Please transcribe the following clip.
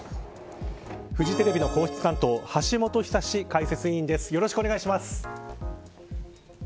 フジテレビの皇室担当橋本寿史解説委員です。